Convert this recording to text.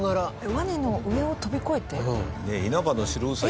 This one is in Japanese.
ワニの上を跳び越えて？